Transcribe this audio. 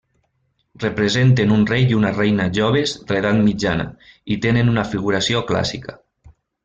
Representen un rei i una reina joves de l'edat mitjana i tenen una figuració clàssica.